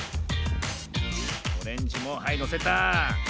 オレンジもはいのせた。